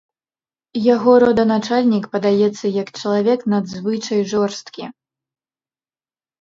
Яго роданачальнік падаецца як чалавек надзвычай жорсткі.